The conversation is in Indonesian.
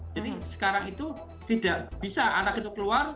jadi sekarang itu tidak bisa anak itu keluar